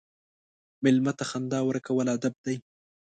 مېلمه ته خندا ورکول ادب دی.